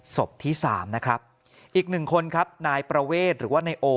ศพที่๓นะครับอีก๑คนครับนายประเวทหรือว่าไนโอ